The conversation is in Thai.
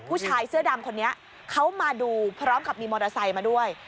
ผู้ชายเสื้อดำคนนี้เขามาดูพร้อมกับมีมอเตอร์ไซค์มาด้วย